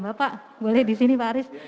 bapak boleh di sini pak aris